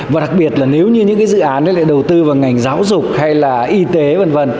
và đặc biệt là nếu như những cái dự án nó lại đầu tư vào ngành giáo dục hay là y tế v v